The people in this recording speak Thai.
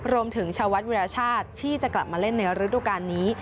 ชาววัดวิราชาติที่จะกลับมาเล่นในฤดูการนี้